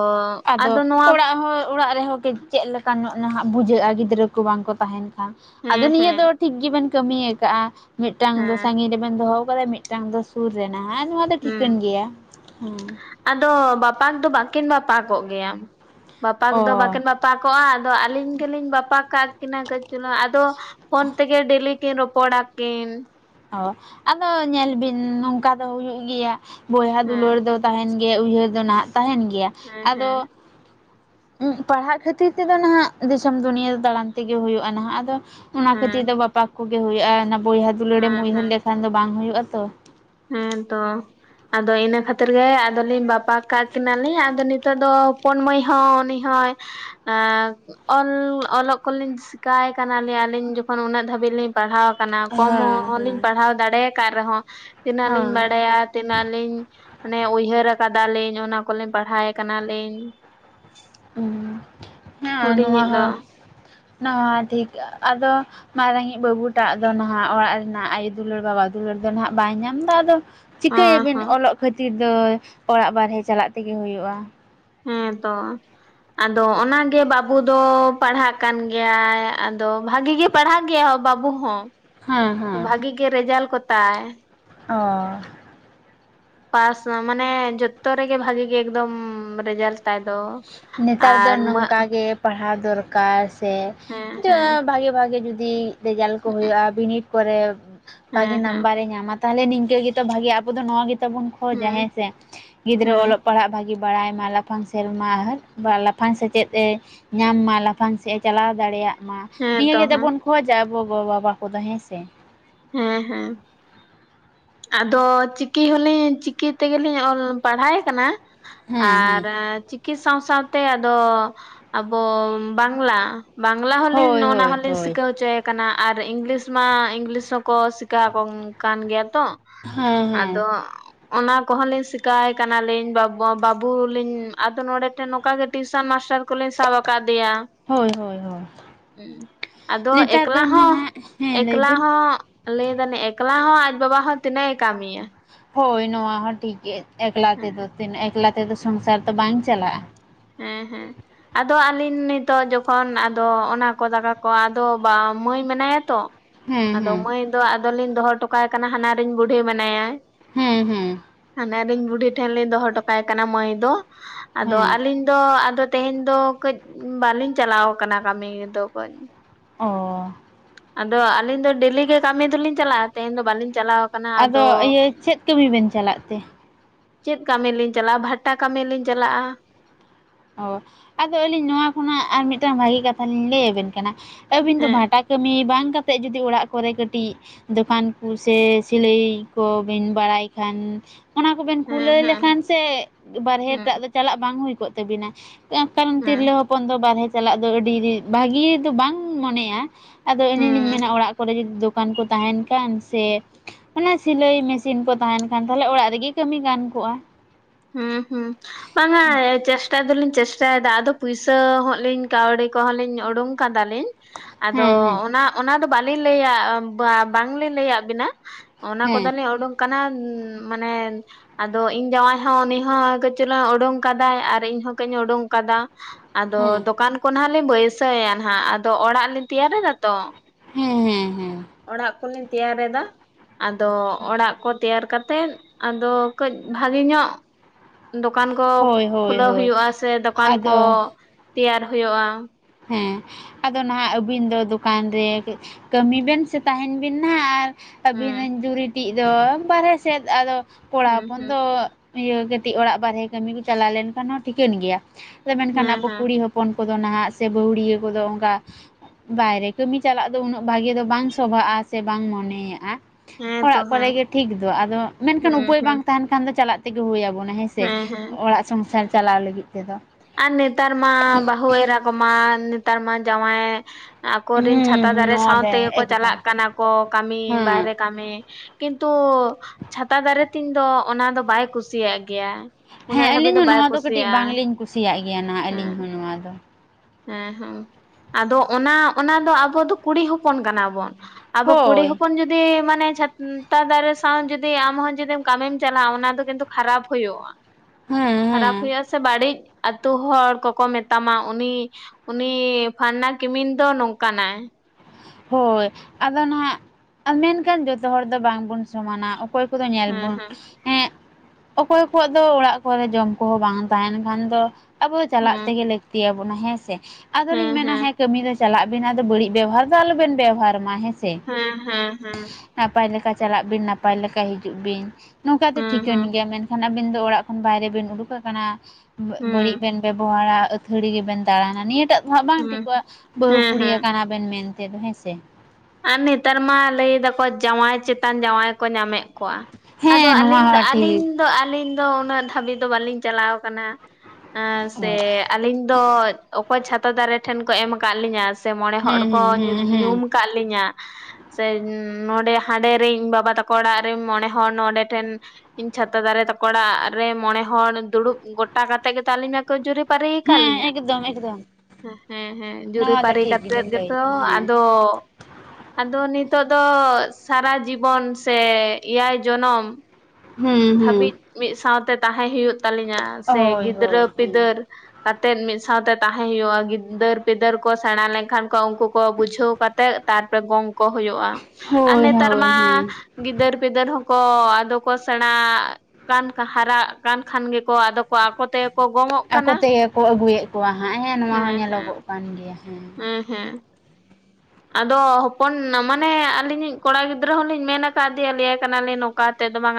ᱟᱫᱚ ᱚᱲᱟᱜ ᱦᱚᱸ ᱚᱲᱟᱜ ᱨᱮᱦᱚᱸ ᱠᱟᱹᱪ ᱪᱮᱫ ᱞᱮᱠᱟ ᱧᱚᱜ ᱱᱟᱦᱟᱜ ᱵᱩᱡᱷᱟᱹᱜᱼᱟ ᱜᱤᱫᱽᱨᱟᱹ ᱠᱚ ᱵᱟᱝ ᱠᱚ ᱛᱟᱦᱮᱸᱱ ᱠᱷᱟᱱ ᱦᱮᱸ ᱟᱫᱚ ᱱᱤᱭᱟᱹ ᱦᱮᱸ ᱫᱚ ᱴᱷᱤᱠ ᱜᱮᱵᱮᱱ ᱠᱟᱹᱢᱤ ᱟᱠᱟᱜᱼᱟ ᱢᱤᱫᱴᱟᱝ ᱫᱚ ᱦᱮᱸ ᱥᱟᱺᱜᱤᱧ ᱨᱮ ᱵᱮᱱ ᱫᱚᱦᱚ ᱠᱟᱫᱮᱭᱟ ᱢᱤᱫᱴᱟᱝ ᱫᱚ ᱥᱩᱨ ᱨᱮᱱᱟᱜ ᱱᱚᱣᱟ ᱫᱚ ᱦᱩᱸ ᱴᱷᱤᱠᱟᱹᱱ ᱜᱮᱭᱟ ᱦᱮᱸ ᱾ ᱟᱫᱚ ᱵᱟᱯᱟᱠ ᱫᱚ ᱵᱟᱠᱤᱱ ᱵᱟᱯᱟᱠ ᱜᱚᱜ ᱜᱮᱭᱟ ᱵᱟᱯᱟᱠ ᱚ ᱫᱚ ᱵᱟᱠᱤᱱ ᱵᱟᱯᱟᱠ ᱵᱟᱯᱟᱠᱜᱼᱟ ᱟᱫᱚ ᱟᱹᱞᱤᱧ ᱜᱮᱞᱤᱧ ᱵᱟᱯᱟᱠ ᱠᱟᱜ ᱠᱤᱱᱟᱹ ᱠᱟᱹᱪ ᱪᱩᱞᱩᱝ ᱟᱫᱚ ᱯᱷᱳᱱ ᱛᱮᱜᱮ ᱰᱮᱞᱤ ᱠᱤᱱ ᱨᱚᱯᱚᱲᱟᱠᱤᱱ ᱾ ᱚ ᱟᱫᱚ ᱧᱮᱞ ᱵᱤᱱ ᱱᱚᱝᱠᱟ ᱫᱚ ᱦᱩᱭᱩᱜ ᱜᱮᱭᱟ ᱵᱚᱭᱦᱟ ᱦᱮᱸ ᱫᱩᱞᱟᱹᱲ ᱫᱚ ᱛᱟᱦᱮᱱ ᱜᱮᱭᱟ ᱩᱭᱦᱟᱹᱨ ᱫᱚ ᱱᱟᱦᱟᱜ ᱛᱟᱦᱮᱱ ᱜᱮᱭᱟ ᱦᱮᱸ ᱟᱫᱚ ᱦᱮᱸ ᱩᱜ ᱯᱟᱲᱦᱟᱜ ᱠᱷᱟᱹᱛᱤᱨ ᱛᱮᱫᱚ ᱱᱟᱦᱟᱜ ᱫᱤᱥᱚᱢ ᱫᱩᱱᱤᱭᱟᱹ ᱫᱟᱸᱬᱟᱱ ᱛᱮᱜᱮ ᱦᱩᱭᱩᱜᱼᱟ ᱱᱟᱦᱟᱜ ᱟᱫᱚ ᱚᱱᱟ ᱦᱮᱸ ᱠᱷᱟᱹᱛᱤᱨ ᱫᱚ ᱵᱟᱯᱟᱠ ᱠᱚᱜᱮ ᱦᱩᱭᱩᱜᱼᱟ ᱚᱱᱟ ᱵᱚᱭᱦᱟ ᱫᱩᱞᱟᱹᱲᱮᱢ ᱦᱮᱸ ᱩᱭᱦᱟᱹᱨ ᱞᱮᱠᱷᱟᱱ ᱫᱚ ᱵᱟᱝ ᱦᱩᱭᱩᱜᱼᱟ ᱛᱚ ᱾ ᱦᱮᱸᱻ ᱛᱚ ᱾ ᱟᱫᱚ ᱤᱱᱟᱹ ᱠᱷᱟᱹᱛᱤᱨ ᱜᱮ ᱟᱫᱚᱞᱤᱧ ᱵᱟᱯᱟᱠ ᱠᱟᱜ ᱠᱤᱱᱟᱞᱤᱧ ᱟᱫᱚ ᱱᱤᱛᱚᱜ ᱫᱚ ᱦᱚᱯᱚᱱ ᱢᱟᱹᱭ ᱦᱚᱸ ᱩᱱᱤ ᱦᱳᱭ ᱾ ᱟᱻ ᱚᱞ ᱚᱞᱚᱜ ᱠᱚᱞᱤᱧ ᱥᱤᱠᱟᱭᱮ ᱠᱟᱱᱟᱞᱤᱧ ᱟᱹᱞᱤᱧ ᱡᱚᱠᱷᱚᱱ ᱩᱱᱟᱹᱜ ᱫᱷᱟᱹᱵᱤᱡ ᱞᱤᱧ ᱯᱟᱲᱦᱟᱣ ᱠᱟᱱᱟ ᱠᱚᱢ ᱦᱚᱸᱞᱤᱧ ᱦᱮᱸ ᱯᱟᱲᱦᱟᱣ ᱫᱟᱲᱮ ᱟᱠᱟᱫ ᱨᱮᱦᱚᱸ ᱛᱤᱱᱟᱹᱜ ᱞᱤᱧ ᱦᱮᱸ ᱵᱟᱰᱟᱭᱟ ᱟ ᱛᱤᱱᱟᱹᱜ ᱞᱤᱧ ᱢᱟᱱᱮ ᱩᱭᱦᱟᱹᱨ ᱟᱠᱟᱫᱟᱞᱤᱧ ᱚᱱᱟ ᱠᱚᱞᱤᱧ ᱯᱟᱲᱦᱟᱣ ᱠᱟᱱᱟᱞᱤᱧ ᱾ ᱦᱩᱸᱻ ᱦᱮᱸ ᱱᱚᱣᱟ ᱦᱩᱰᱤᱧᱤᱡ ᱫᱚ ᱦᱚᱸ ᱱᱚᱣᱟ ᱦᱚᱸ ᱴᱷᱤᱠ ᱟᱫᱚ ᱢᱟᱨᱟᱝᱤᱡ ᱵᱟᱹᱵᱩ ᱴᱟᱜ ᱫᱚ ᱱᱟᱦᱟᱜ ᱚᱲᱟᱜ ᱨᱮᱱᱟᱜ ᱟᱭᱳ ᱫᱩᱞᱟᱹᱲ ᱵᱟᱵᱟ ᱫᱩᱞᱟᱹᱲ ᱫᱚ ᱱᱟᱦᱟᱜ ᱵᱟᱭ ᱧᱟᱢ ᱫᱟ ᱟᱫᱚ ᱾ ᱦᱚᱸ ᱪᱤᱠᱟᱹᱭᱟᱵᱤᱱ ᱦᱚᱸ ᱚᱞᱚᱜ ᱠᱷᱟᱹᱛᱤᱨ ᱫᱚ ᱚᱲᱟᱜ ᱵᱟᱦᱨᱮ ᱪᱟᱞᱟᱜ ᱛᱮᱜᱮ ᱦᱩᱭᱩᱜᱼᱟ ᱾ ᱦᱮᱸ ᱛᱚ ᱾ ᱟᱫᱚ ᱚᱱᱟᱜᱮ ᱵᱟᱹᱵᱩ ᱫᱚ ᱯᱟᱲᱦᱟᱜ ᱠᱟᱱ ᱜᱮᱭᱟᱭ ᱟᱫᱚ ᱵᱷᱟᱜᱤ ᱜᱮ ᱯᱟᱲᱦᱟᱜ ᱜᱮᱭᱟ ᱵᱟᱹᱵᱩ ᱦᱚᱸ ᱦᱮᱸ ᱦᱮᱸ ᱵᱷᱟᱜᱤ ᱜᱮ ᱨᱮᱡᱟᱞᱴ ᱠᱚᱛᱟᱭ ᱾ ᱚᱻ ᱯᱟᱥ ᱢᱟᱱᱮ ᱡᱚᱛᱚ ᱨᱮᱜᱮ ᱵᱷᱟᱹᱜᱤ ᱜᱮ ᱮᱠᱫᱚᱢ ᱨᱮᱡᱟᱞᱴ ᱛᱟᱭ ᱫᱚ, ᱱᱮᱛᱟᱨ ᱫᱚ ᱟᱨ ᱢᱟᱹᱭ ᱱᱚᱝᱠᱟ ᱜᱮ ᱯᱟᱲᱦᱟᱣ ᱫᱚᱨᱠᱟᱨ ᱥᱮ ᱦᱮᱸ ᱦᱮᱸ ᱡᱟᱹ ᱵᱷᱟᱹᱜᱤ ᱵᱷᱟᱹᱜᱤ ᱡᱩᱫᱤ ᱨᱮᱡᱟᱞᱴ ᱠᱚ ᱦᱩᱭᱩᱜᱼᱟ ᱵᱤᱱᱤᱰ ᱠᱚᱨᱮ ᱦᱮᱸ ᱵᱷᱟᱹᱜᱤ ᱦᱮᱸ ᱱᱟᱢᱵᱟᱨᱮ ᱧᱟᱢᱟ ᱛᱟᱦᱚᱞᱮ ᱱᱤᱝᱠᱟᱹ ᱜᱮᱛᱚ ᱵᱷᱟᱹᱜᱤ ᱟᱵᱚ ᱫᱚ ᱱᱚᱣᱟ ᱜᱮᱛᱚᱵᱚᱱ ᱠᱷᱚᱡᱽ-ᱟ ᱦᱮᱸ ᱥᱮ ᱜᱤᱫᱽᱨᱟᱹ ᱦᱮᱸ ᱚᱞᱚᱜ ᱯᱟᱲᱦᱟᱜ ᱵᱷᱟᱹᱜᱤ ᱵᱟᱲᱟᱭ ᱢᱟ ᱞᱟᱯᱷᱟᱝ ᱥᱮ ᱥᱮᱨᱢᱟ ᱦᱟᱹᱴ ᱞᱟᱯᱷᱟᱝ ᱥᱮᱪᱮᱫ ᱮ ᱧᱟᱢ ᱢᱟ ᱞᱟᱯᱷᱟᱝ ᱥᱮᱪ ᱮ ᱪᱟᱞᱟᱣ ᱫᱟᱲᱮᱭᱟᱜ ᱾ ᱢᱟ ᱦᱮᱸ ᱱᱤᱭᱟᱹ ᱛᱚ ᱜᱮᱛᱚ ᱦᱮᱸ ᱵᱚᱱ ᱠᱷᱚᱡᱟ ᱜᱚ ᱵᱟᱵᱟ ᱠᱚᱫᱚ ᱦᱮᱸ ᱥᱮ ᱾ ᱦᱮᱸ ᱦᱮᱸ ᱾ ᱟᱫᱚ ᱪᱤᱠᱤ ᱦᱚᱞᱤᱧ ᱪᱤᱠᱤ ᱛᱮᱜᱮᱞᱤᱧ ᱚᱞ ᱯᱟᱲᱦᱟᱣᱮ ᱠᱟᱱᱟ ᱾ ᱦᱮᱸ ᱟᱨ ᱦᱮᱸ ᱪᱤᱠᱤ ᱥᱟᱶ ᱥᱟᱶᱛᱮ ᱟᱫᱚ ᱟᱵᱚ ᱵᱟᱝᱞᱟ ᱵᱟᱝᱞᱟ ᱦᱚᱞᱤᱧ ᱦᱳᱭ ᱱᱚᱜᱱᱟ ᱦᱳᱭ ᱦᱚᱞᱤᱧ ᱦᱳᱭ ᱥᱤᱠᱷᱟᱹᱣ ᱦᱚᱪᱚᱭᱮ ᱠᱟᱱᱟ ᱟᱨ ᱤᱝᱞᱤᱥ ᱢᱟ ᱤᱝᱞᱤᱥ ᱦᱚᱸ ᱠᱚ ᱥᱤᱠᱟᱣ ᱟᱠᱚ ᱠᱟᱱ ᱜᱮᱭᱟ ᱛᱚ ᱦᱮᱸ ᱟᱫᱚ ᱦᱮᱸ ᱚᱱᱟ ᱠᱚᱦᱚᱸ ᱞᱤᱧ ᱥᱤᱠᱟᱭ ᱮ ᱠᱟᱱᱟᱞᱤᱧ ᱵᱟᱹᱵ ᱵᱟᱹᱵᱩ ᱞᱤᱧ ᱟᱫᱚ ᱱᱚᱰᱮ ᱴᱷᱮᱱ ᱱᱚᱝᱠᱟ ᱜᱮ ᱴᱤᱭᱩᱥᱚᱱ ᱢᱟᱥᱴᱟᱨ ᱠᱚᱞᱤᱧ ᱥᱟᱵ ᱠᱟᱫᱮᱭᱟ ᱦᱳᱭ ᱦᱳᱭ ᱦᱳᱭ ᱾ [inaudible] ᱟᱫᱚ ᱱᱮᱛᱟᱨ ᱮᱠᱞᱟ ᱫᱚ ᱦᱚᱸ ᱱᱟᱦᱟᱜ ᱦᱮᱸ ᱞᱟᱹᱭ ᱮᱠᱞᱟ ᱵᱤᱱ ᱦᱚᱸ ᱞᱟᱹᱭᱮᱫᱟᱱᱤ ᱮᱠᱞᱟ ᱦᱚᱸ ᱟᱡ ᱵᱟᱵᱟ ᱦᱚᱸ ᱛᱤᱱᱟᱹᱜ ᱮ ᱠᱟᱹᱢᱤᱭᱟ ᱾ ᱦᱳᱭ ᱱᱚᱣᱟ ᱦᱚᱸ ᱴᱷᱤᱠ ᱜᱮᱭᱟ ᱮᱠᱞᱟ ᱛᱮᱫᱚ ᱦᱮᱸ ᱛᱤᱱᱟᱹᱜ ᱮᱠᱞᱟ ᱛᱮᱫᱚ ᱥᱚᱝᱥᱟᱨ ᱫᱚ ᱵᱟᱝ ᱪᱟᱞᱟᱜ-ᱟ ᱾ ᱦᱮᱸ ᱦᱮᱸ ᱾ ᱟᱫᱚ ᱟᱹᱞᱤᱧ ᱱᱤᱛᱚᱜ ᱡᱚᱠᱷᱚᱱ ᱟᱫᱚ ᱚᱱᱟ ᱠᱚ ᱫᱟᱠᱟ ᱠᱚ ᱟᱫᱚ ᱵᱟ ᱢᱟᱹᱭ ᱢᱮᱱᱟᱭᱟ ᱛᱚ ᱦᱮᱸ ᱟᱫᱚ ᱦᱮᱸ ᱢᱟᱹᱭ ᱫᱚ ᱟᱫᱚᱞᱤᱧ ᱫᱚᱦᱚ ᱦᱚᱴᱚᱠᱟᱭ ᱠᱟᱱᱟ ᱦᱟᱱᱟᱨᱤᱧ ᱵᱩᱰᱦᱤ ᱢᱮᱱᱟᱭᱟ ᱾ ᱦᱮᱸ ᱦᱮᱸ ᱾ ᱦᱟᱱᱟᱨᱤᱧ ᱵᱩᱰᱷᱤ ᱴᱷᱮᱱ ᱞᱤᱧ ᱫᱚᱦᱚ ᱦᱚᱴᱚᱠᱟᱭ ᱠᱟᱱᱟ ᱢᱟᱹᱭ ᱫᱚ ᱾ ᱟᱫᱚ ᱦᱮᱸ ᱟᱹᱞᱤᱧ ᱫᱚ ᱟᱫᱚ ᱛᱮᱦᱮᱧ ᱫᱚ ᱠᱟᱹᱡ ᱵᱟᱞᱤᱧ ᱪᱟᱞᱟᱣ ᱟᱠᱟᱱᱟ ᱠᱟᱹᱢᱤ ᱫᱚ ᱠᱟᱹᱡ ᱚᱻ ᱟᱫᱚ ᱟᱹᱞᱤᱧ ᱫᱚ ᱰᱮᱞᱤ ᱜᱮ ᱠᱟᱹᱢᱤ ᱫᱚᱞᱤᱧ ᱪᱟᱞᱟᱜ-ᱟ ᱛᱮᱦᱮᱧ ᱫᱚ ᱵᱟᱹᱞᱤᱧ ᱪᱟᱞᱟᱣ ᱟᱫᱚ ᱤᱭᱟᱹ ᱪᱮᱫ ᱠᱟᱹᱢᱤ ᱵᱮᱱ ᱪᱟᱞᱟᱜ ᱛᱮ? ᱪᱮᱫ ᱠᱟᱹᱢᱤ ᱞᱤᱧ ᱪᱟᱞᱟᱜ-ᱟ ᱵᱷᱟᱴᱟ ᱠᱟᱹᱢᱤ ᱞᱤᱧ ᱪᱟᱞᱟᱜ-ᱟ ᱾ ᱚ ᱟᱫᱚ ᱟᱹᱞᱤᱧ ᱱᱚᱣᱟ ᱠᱷᱚᱱᱟᱜ ᱟᱨ ᱢᱤᱫᱴᱟᱝ ᱵᱷᱟᱹᱜᱤ ᱠᱟᱛᱷᱟ ᱞᱤᱧ ᱞᱟᱹᱭᱟᱵᱤᱱ ᱠᱟᱱᱟ ᱟᱹᱵᱤᱱ ᱫᱚ ᱦᱮᱸ ᱵᱷᱟᱴᱟ ᱠᱟᱹᱢᱤ ᱵᱟᱝ ᱠᱟᱛᱮᱫ ᱡᱩᱫᱤ ᱚᱲᱟᱜ ᱠᱚᱨᱮ ᱠᱟᱹᱴᱤᱡ ᱫᱚᱠᱟᱱ ᱠᱚ ᱥᱮ ᱥᱤᱞᱟᱹᱭ ᱠᱚᱵᱤᱱ ᱵᱟᱲᱟᱭ ᱠᱷᱟᱱ ᱚᱱᱟ ᱠᱚᱵᱮᱱ ᱦᱮᱸ ᱠᱷᱩᱞᱟᱹᱣ ᱦᱮᱸ ᱞᱮᱠᱷᱟᱱ ᱥᱮ ᱵᱟᱨᱦᱮ ᱴᱟᱜ ᱦᱮᱸ ᱫᱚ ᱪᱟᱞᱟᱜ ᱵᱟᱝ ᱦᱩᱭ ᱠᱚᱜ ᱛᱟᱹᱵᱤᱱᱟ ᱾ ᱠᱟᱨᱚᱱ ᱦᱮᱸ ᱛᱤᱨᱞᱟᱹ ᱦᱚᱯᱚᱱ ᱫᱚ ᱵᱟᱦᱨᱮ ᱪᱟᱞᱟᱜ ᱫᱚ ᱟᱹᱰᱤ ᱵᱷᱟᱹᱜᱤ ᱫᱚ ᱵᱟᱝ ᱢᱚᱱᱮᱜ-ᱟ ᱾ ᱟᱫᱚ ᱟᱞᱤᱧ ᱞᱤᱧ ᱦᱮᱸ ᱢᱮᱱᱟ ᱚᱲᱟᱜ ᱠᱚᱨᱮ ᱡᱩᱫᱤ ᱫᱚᱠᱟᱱ ᱠᱚ ᱛᱟᱦᱮᱱ ᱠᱷᱟᱱ ᱥᱮ ᱚᱱᱟ ᱥᱤᱞᱟᱹᱭ ᱢᱮᱥᱤᱱ ᱠᱚ ᱛᱟᱦᱮᱱ ᱠᱷᱟᱱ ᱛᱟᱦᱞᱮ ᱚᱲᱟᱜ ᱨᱮᱜᱮ ᱠᱟᱹᱢᱤ ᱜᱟᱱ ᱠᱚᱜ-ᱟ ᱾ ᱦᱩᱸ ᱦᱩᱸ ᱾ ᱵᱟᱝᱟ ᱪᱮᱥᱴᱟ ᱫᱚᱞᱤᱧ ᱪᱮᱥᱴᱟᱭᱮᱫᱟ ᱟᱫᱚ ᱯᱩᱭᱥᱟᱹ ᱦᱚᱸ ᱞᱤᱧ ᱠᱟᱹᱣᱰᱤ ᱠᱚᱦᱚᱸ ᱞᱤᱧ ᱩᱰᱩᱝ ᱠᱟᱫᱟᱞᱤᱧ ᱾ ᱟᱫᱚ ᱦᱮᱸ ᱦᱮᱸ ᱚᱱᱟ ᱚᱱᱟ ᱫᱚ ᱵᱟᱹᱞᱤᱧ ᱞᱟᱹᱭᱟ ᱵᱟᱝᱞᱤᱧ ᱞᱟᱹᱭᱟᱭᱟᱜ ᱵᱤᱱᱟ ᱾ ᱚᱱᱟ ᱦᱮᱸ ᱠᱚᱫᱚᱞᱤᱧ ᱩᱰᱩᱠ ᱠᱟᱱᱟ ᱢᱟᱱᱮ ᱟᱫᱚ ᱤᱧ ᱡᱟᱶᱟᱭ ᱦᱚᱸ ᱩᱱᱤ ᱦᱚᱸ ᱠᱟᱹᱪ ᱪᱩᱞᱩᱝ ᱮ ᱩᱰᱩᱝ ᱠᱟᱫᱟᱭ ᱟᱨ ᱤᱧᱦᱚ ᱠᱟᱹᱡ ᱤᱧ ᱩᱰᱩᱝ ᱠᱟᱫᱟ ᱟᱫᱚ ᱦᱮᱸ ᱫᱚᱠᱟᱱ ᱛᱚᱠᱷᱚᱱ ᱦᱟᱸᱜ ᱞᱤᱧ ᱵᱟᱹᱭᱥᱟᱹᱭᱟ ᱱᱟᱦᱟᱜ ᱟᱫᱚ ᱚᱲᱟᱜ ᱞᱤᱧ ᱛᱮᱭᱟᱨ ᱮᱫᱟ ᱛᱚ ᱦᱩᱸ ᱦᱩᱸ ᱦᱩᱸ ᱾ ᱚᱲᱟᱜ ᱠᱚᱞᱤᱧ ᱛᱮᱭᱟᱨ ᱮᱫᱟ ᱟᱫᱚ ᱚᱲᱟᱜ ᱠᱚ ᱛᱮᱭᱟᱨ ᱠᱟᱛᱮᱫ ᱟᱫᱚ ᱠᱟᱹᱡ ᱵᱷᱟᱜᱮ ᱧᱚᱜ ᱫᱚᱠᱟᱱ ᱠᱚ ᱦᱳᱭ ᱦᱳᱭ ᱠᱷᱩᱞᱟᱹᱣ ᱦᱳᱭ ᱦᱩᱭᱩᱜ-ᱟ ᱥᱮ ᱫᱚᱠᱟᱱ ᱠᱚ ᱟᱫᱚ ᱛᱮᱭᱟᱨ ᱦᱩᱭᱩᱜ-ᱟ ᱾ ᱦᱮᱸ ᱟᱫᱚ ᱱᱟᱦᱟᱜ ᱟᱹᱵᱤᱱ ᱫᱚ ᱫᱚᱠᱟᱱ ᱨᱮ ᱠᱟᱹᱢᱤ ᱵᱮᱱ ᱥᱮ ᱛᱟᱦᱮᱱ ᱵᱤᱱ ᱱᱟᱦᱟᱜ ᱟᱨ ᱟᱹᱵᱤ ᱦᱩᱸ ᱨᱮᱱ ᱡᱩᱨᱤᱴᱤᱜ ᱫᱚ ᱵᱟᱦᱨᱮ ᱥᱮᱫ ᱟᱫᱚ ᱠᱚᱲᱟ ᱦᱩᱸ ᱦᱚᱯᱚᱱ ᱦᱩᱸ ᱫᱚ ᱤᱭᱟᱹ ᱠᱟᱹᱴᱤᱡ ᱚᱲᱟᱜ ᱵᱟᱨᱦᱮ ᱠᱟᱹᱢᱤ ᱠᱚ ᱪᱟᱞᱟᱣ ᱞᱮᱱᱠᱷᱟᱱ ᱦᱚᱸ ᱴᱷᱤᱠᱟᱹᱱ ᱜᱮᱭᱟ ᱾ ᱟᱫᱚ ᱢᱮᱱᱠᱷᱟᱱ ᱦᱮᱸ ᱟᱵᱚ ᱦᱮᱸ ᱠᱩᱲᱤ ᱦᱚᱯ ᱚᱱ ᱠᱚᱫᱚ ᱱᱟᱦᱟᱜ ᱥᱮ ᱵᱟᱹᱦᱩᱲᱤᱭᱟᱹ ᱠᱚᱫᱚ ᱚᱱᱠᱟ ᱵᱟᱭᱨᱮ ᱠᱟᱹᱢᱤ ᱪᱟᱞᱟᱜ ᱫᱚ ᱩᱱᱟᱹᱜ ᱵᱷᱟᱜᱤ ᱫᱚ ᱵᱟᱝ ᱥᱚᱵᱷᱟᱜ-ᱟ ᱥᱮ ᱵᱟᱝ ᱢᱚᱱᱮᱭᱟᱜ-ᱟ ᱾ ᱦᱮᱸ ᱛᱚ ᱚᱲᱟᱜ ᱠᱚᱨᱮ ᱦᱮᱸ ᱜᱮ ᱴᱷᱤᱠ ᱫᱚ ᱟᱫᱚ ᱢᱮᱱᱠᱷᱟᱱ ᱦᱩᱸ ᱩᱯᱟᱹᱭ ᱦᱩᱸ ᱵᱟᱝ ᱛᱟᱦᱮᱱ ᱠᱷᱟᱱ ᱫᱚ ᱪᱟᱞᱟᱜ ᱛᱮᱜᱮ ᱦᱩᱭ ᱟᱵᱚᱱᱟ ᱦᱮᱸ ᱥᱮ ᱚᱲᱟᱜ ᱥᱚᱝᱥᱟᱨ ᱪᱟᱞᱟᱣ ᱞᱟᱹᱜᱤᱫ ᱛᱮᱫᱚ ᱾ ᱟᱨ ᱱᱮᱛᱟᱨ ᱢᱟ ᱵᱟᱹᱦᱩ ᱮᱨᱟ ᱠᱚᱢᱟ ᱱᱮᱛᱟᱨ ᱢᱟ ᱡᱟᱶᱟᱭ ᱟᱠᱚᱨᱮᱱ ᱦᱩᱸ ᱪᱷᱟᱛᱟ ᱦᱩᱸ ᱫᱟᱨᱮ ᱱᱚᱣᱟ ᱥᱟᱶ ᱫᱚ ᱛᱮᱜᱮᱠᱚ ᱮᱠᱫᱚᱢ ᱪᱟᱞᱟᱜ ᱠᱟᱱᱟ ᱠᱚ ᱠᱟᱹᱢᱤ ᱦᱮᱸ ᱵᱟᱦᱮᱨᱮ ᱠᱟᱹᱢᱤ ᱠᱤᱱᱛᱩ ᱪᱷᱟᱛᱟ ᱫᱟᱨᱮ ᱛᱤᱧ ᱫᱚ ᱚᱱᱟ ᱫᱚ ᱵᱟᱭ ᱠᱩᱥᱤᱭᱟᱜ ᱜᱮᱭᱟ᱾ ᱦᱮᱸ ᱩᱱᱟᱹᱜ ᱫᱷᱟᱹᱵᱤᱡ ᱟᱹᱞᱤᱧ ᱦᱚᱸ ᱵᱟᱭ ᱱᱚᱣᱟ ᱫᱚ ᱠᱟᱹᱴᱤᱡ ᱠᱩᱥᱤᱭᱟᱜᱼᱟ ᱵᱟᱝᱞᱤᱧ ᱠᱩᱥᱤᱭᱟᱜ ᱜᱮᱭᱟ ᱱᱟᱦᱟᱜ ᱦᱮᱸ ᱟᱹᱞᱤᱧ ᱦᱚᱸ ᱱᱚᱣᱟ ᱫᱚ ᱦᱮᱸ ᱦᱮᱸ ᱟᱫᱚ ᱚᱱᱟ ᱚᱱᱟ ᱫᱚ ᱟᱵᱚ ᱫᱚ ᱠᱩᱲᱤ ᱦᱚᱯᱚᱱ ᱠᱟᱱᱟ ᱵᱚᱱ᱾ ᱟᱫᱚ ᱠᱩᱲᱤ ᱦᱳᱭ ᱦᱚᱯᱚᱱ ᱡᱩᱫᱤ ᱢᱟᱱᱮ ᱪᱷᱟᱛᱤᱠ ᱱᱮᱛᱟᱨ ᱫᱟᱨᱮ ᱥᱟᱶ ᱡᱩᱫᱤ ᱟᱢᱦᱚ ᱡᱩᱫᱤ ᱠᱟᱹᱢᱤᱢ ᱪᱟᱞᱟᱜᱼᱟ ᱚᱱᱟ ᱫᱚ ᱠᱤᱱᱛᱩ ᱠᱷᱟᱨᱟᱯ ᱦᱳᱭᱳᱜᱼᱟ᱾ ᱦᱮᱸ ᱦᱮᱸ ᱠᱷᱟᱨᱟᱯ ᱦᱳᱭᱳᱜᱼᱟ ᱥᱮ ᱵᱟᱹᱲᱤᱡ ᱟᱹᱛᱳ ᱦᱚᱲ ᱠᱚᱠᱚ ᱢᱮᱛᱟᱢᱟ ᱩᱱᱤ ᱩᱱᱤ ᱯᱷᱟᱱᱟ ᱠᱤᱢᱤᱱ ᱫᱚ ᱱᱚᱝᱠᱟᱱᱟᱭ᱾ ᱦᱳᱭ ᱟᱫᱚ ᱱᱟᱦᱟᱜ ᱢᱮᱱᱠᱷᱟᱱ ᱡᱚᱛᱚ ᱦᱚᱲ ᱫᱚ ᱵᱟᱝᱵᱚᱱ ᱥᱚᱢᱟᱱᱟ ᱠᱚᱫᱚ ᱧᱮᱞ ᱦᱮᱸ ᱵᱚᱱ ᱦᱮᱸ ᱦᱮᱸᱚᱠᱚᱭ ᱠᱚᱣᱟᱜ ᱫᱚ ᱚᱲᱟᱜ ᱠᱚᱨᱮ ᱡᱚᱢ ᱠᱚᱦᱚᱸ ᱵᱟᱝ ᱛᱟᱦᱮᱱ ᱠᱷᱟᱱ ᱫᱚ ᱟᱵᱚ ᱫᱚ ᱪᱟᱞᱟᱜ ᱦᱮᱸ ᱛᱮᱜᱮ ᱞᱟᱹᱠᱛᱤᱭᱟᱵᱚᱱᱟ ᱦᱮᱸ ᱥᱮ ᱟᱫᱚᱞᱤᱧ ᱢᱮᱱᱟ ᱦᱮᱸ ᱠᱟᱹᱢᱤ ᱫᱚ ᱪᱟᱞᱟᱜ ᱵᱤᱱ ᱟᱫᱚ ᱵᱟᱹᱲᱤᱡ ᱵᱮᱵᱚᱦᱟᱨ ᱫᱚ ᱟᱞᱚᱵᱤᱱ ᱵᱮᱵᱚᱦᱟᱨ ᱢᱟ ᱦᱮᱸ ᱥᱮ ᱦᱮᱸ ᱦᱮᱸ ᱦᱮᱸ ᱱᱟᱯᱟᱭ ᱞᱮᱠᱟ ᱪᱟᱞᱟᱜ ᱵᱤᱱ ᱱᱟᱯᱟᱭ ᱞᱮᱠᱟ ᱦᱤᱡᱩᱜ ᱵᱤᱱ ᱱᱚᱝᱠᱟ ᱫᱚ ᱦᱮᱸ ᱴᱷᱤᱠᱟᱹᱱ ᱦᱮᱸ ᱜᱮᱭᱟ ᱢᱮᱱ ᱠᱷᱟᱱ ᱟᱹᱵᱤᱱ ᱫᱚ ᱚᱲᱟᱜ ᱠᱷᱚᱱ ᱵᱟᱭᱨᱮ ᱵᱤᱱ ᱩᱰᱩᱠ ᱟᱠᱟᱱᱟ ᱦᱮᱸ ᱵᱟᱹᱲᱤᱡ ᱵᱮᱱ ᱵᱮᱵᱚᱦᱟᱨᱟ ᱟᱹᱛᱷᱟᱹᱲᱤ ᱜᱮᱵᱮᱱ ᱫᱟᱬᱟᱱᱟ ᱱᱤᱭᱟᱹ ᱴᱟᱜ ᱫᱚ ᱦᱟᱸᱜ ᱵᱟᱝ ᱦᱮᱸ ᱴᱷᱤᱠᱚᱜ-ᱟ ᱵᱟᱹᱦᱩ ᱦᱮᱸ ᱠᱩᱲᱤ ᱦᱮᱸ ᱟᱠᱟᱱᱟ ᱵᱮᱱ ᱢᱮᱱᱛᱮ ᱫᱚ ᱦᱮᱸ ᱥᱮ ᱟᱨ ᱱᱮᱛᱟᱨ ᱢᱟ ᱞᱟᱹᱭ ᱫᱟᱠᱚ ᱡᱟᱶᱟᱭ ᱪᱮᱛᱟᱱ ᱡᱟᱶᱟᱭ ᱠᱚ ᱧᱟᱢᱮᱫ ᱠᱚᱣᱟ ᱟᱫᱚ ᱦᱮᱸ ᱱᱚᱣᱟ ᱟᱞᱤᱧ ᱫᱚ ᱦᱚᱸ ᱴᱷᱤᱠ ᱟᱞᱤᱧ ᱫᱚ ᱟᱞᱤᱧ ᱫᱚ ᱩᱱᱟᱹᱜ ᱫᱷᱟᱹᱵᱤᱡ ᱫᱚ ᱵᱟᱹᱞᱤᱧ ᱪᱟᱞᱟᱣ ᱠᱟᱱᱟ᱾ ᱦᱮᱸ ᱥᱮ ᱟᱞᱤᱧ ᱫᱚ ᱚᱠᱚᱭ ᱪᱷᱟᱛᱟ ᱫᱟᱨᱮ ᱴᱷᱮᱱ ᱠᱚ ᱮᱢᱟᱠᱟᱫ ᱞᱤᱧᱟ᱾ ᱥᱮ ᱢᱚᱸᱬᱮ ᱦᱚᱲ ᱦᱮᱸ ᱠᱚ ᱦᱮᱸ ᱦᱮᱸ ᱧᱩᱫ ᱦᱮᱸ ᱧᱩᱢ ᱟᱠᱟᱫ ᱞᱤᱧᱟ ᱥᱮ ᱱᱚᱰᱮ ᱦᱟᱸᱰᱮ ᱨᱮᱱ ᱤᱧ ᱵᱟᱵᱟ ᱛᱟᱠᱚ ᱚᱲᱟᱜ ᱨᱮᱱ ᱢᱚᱸᱬᱮ ᱦᱚᱲ ᱱᱚᱰᱮ ᱴᱷᱮᱱ ᱤᱧ ᱪᱷᱟᱛᱟ ᱫᱟᱨᱮ ᱛᱟᱠᱚ ᱚᱲᱟᱜ ᱨᱮ ᱢᱚᱸᱬᱮ ᱦᱚᱲ ᱫᱩᱲᱩᱵ ᱜᱚᱴᱟ ᱠᱟᱛᱮ ᱜᱮᱛᱚ ᱟᱞᱤᱧ ᱢᱟᱠᱚ ᱡᱩᱨᱤᱯ ᱯᱟᱨᱤ ᱦᱮᱸ ᱠᱟᱜ-ᱞᱤᱧᱟ᱾ ᱮᱠᱫᱚᱢ ᱮᱠᱫᱚᱢ ᱦᱮᱸ ᱦᱮᱸ ᱦᱮᱸ ᱱᱚᱣᱟ ᱫᱚ ᱡᱩᱨᱤᱯᱟᱨᱤ ᱴᱷᱤᱠ ᱠᱟᱛᱮᱫ ᱜᱮᱵᱤᱱ ᱜᱮᱛᱚ ᱞᱟᱹᱭᱮᱫᱼᱟ ᱦᱮᱸ ᱟᱫᱚ ᱟᱫᱚ ᱱᱤᱛᱳᱜ ᱫᱚ ᱥᱟᱨᱟ ᱡᱤᱵᱚᱱ ᱥᱮ ᱮᱭᱟᱭ ᱡᱚᱱᱚᱢ ᱦᱩᱸ ᱦᱩᱸ ᱫᱷᱟᱹᱵᱤᱡ ᱢᱤᱫ ᱥᱟᱶᱛᱮ ᱛᱟᱦᱮᱸ ᱦᱩᱭᱩᱜ ᱛᱟᱹᱞᱤᱧᱟ ᱥᱮ ᱦᱳᱭ ᱦᱳᱭ ᱜᱤᱫᱽᱨᱟᱹ ᱦᱮᱸ ᱯᱤᱫᱟᱹᱨ ᱠᱟᱛᱮᱫ ᱢᱤᱫ ᱥᱟᱶᱛᱮ ᱛᱟᱦᱮᱸ ᱦᱩᱭᱩᱜᱼᱟ ᱜᱤᱫᱟᱹᱨ ᱯᱤᱫᱟᱹᱨ ᱠᱚ ᱥᱮᱬᱟ ᱞᱮᱱᱠᱷᱟᱱ ᱠᱚ ᱩᱱᱠᱩ ᱠᱚ ᱵᱩᱡᱷᱟᱹᱣ ᱠᱟᱛᱮᱫ ᱛᱟᱨᱯᱚᱨᱮ ᱜᱚᱝ ᱠᱚ ᱦᱳᱭᱳᱜᱼᱟ ᱟᱨ ᱦᱳᱭ ᱱᱮᱛᱟᱨ ᱦᱳᱭ ᱢᱟ ᱦᱮᱸ ᱜᱤᱫᱟᱹᱨ ᱯᱤᱫᱟᱹᱨ ᱦᱚᱸᱠᱚ ᱟᱫᱚ ᱠᱚ ᱥᱮᱬᱟᱜ ᱠᱟᱱ ᱦᱟᱨᱟᱜ ᱠᱟᱱ ᱠᱷᱟᱱ ᱜᱮᱠᱚ ᱟᱫᱚ ᱠᱚ ᱟᱠᱚ ᱛᱮᱜᱮᱠᱚ ᱜᱚᱝᱚᱜ ᱟᱠᱚ ᱠᱟᱱᱟ ᱛᱮᱜᱮ ᱠᱚ ᱟᱹᱜᱩᱭᱮᱫ ᱠᱚᱣᱟ ᱦᱟᱸᱜ ᱦᱮᱸ ᱱᱚᱣᱟ ᱦᱚᱸ ᱧᱮᱞᱚᱜᱚᱜ ᱠᱟᱱ ᱜᱮᱭᱟ ᱦᱮᱸ ᱦᱮᱸ ᱦᱮᱸ ᱟᱫᱚ ᱦᱚᱯᱚᱱ ᱱᱟ ᱢᱟᱱᱮ ᱟᱹᱞᱤᱤᱡ ᱠᱚᱲᱟ ᱜᱤᱫᱽᱨᱟᱹ ᱦᱚᱸᱞᱤᱧ ᱢᱮᱱ ᱟᱠᱟᱫᱮᱭᱟ ᱞᱮᱭᱟᱭ ᱠᱟᱱᱟᱞᱮ ᱱᱚᱝᱠᱟᱛᱮᱫᱚ ᱵᱟᱝ-ᱟ